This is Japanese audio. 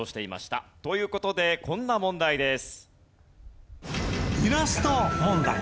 という事でこんな問題です。